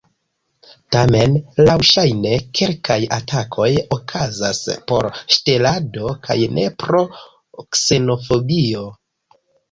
Tamen laŭŝajne kelkaj atakoj okazas por ŝtelado kaj ne pro ksenofobio.